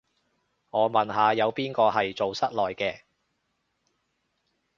我問下，有邊個係做室內嘅